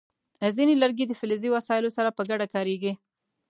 ځینې لرګي د فلزي وسایلو سره په ګډه کارېږي.